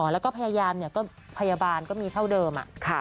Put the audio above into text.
แล้วก็พยายามก็พยาบาลก็มีเท่าเดิม